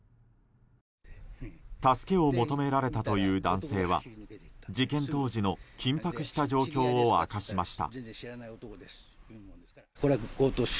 助けを求められたという男性は事件当時の緊迫した状況を明かしました。